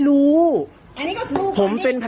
จัดกระบวนพร้อมกัน